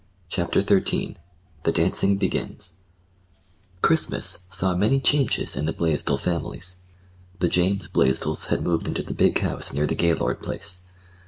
CHAPTER XIII THE DANCING BEGINS Christmas saw many changes in the Blaisdell families. The James Blaisdells had moved into the big house near the Gaylord place.